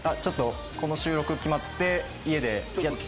この収録決まって。